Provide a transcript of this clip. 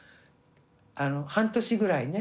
半年ぐらいね